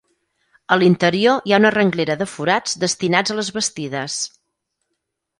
A l'interior hi ha una renglera de forats destinats a les bastides.